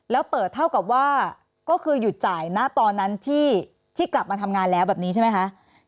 แล้วเปิดเท่ากับว่าก็คือหยุดจ่ายณตอนนั้นที่กลับมาทำงานแล้วแบบนี้ใช่ไหมคะ